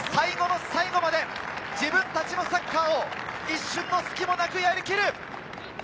最後の最後まで自分たちのサッカーを一瞬の隙もなくやりきる。